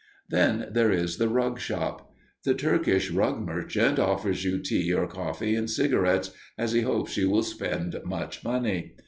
Then there is the rug shop. The Turkish rug merchant offers you tea or coffee and cigarettes, as he hopes you will spend much money.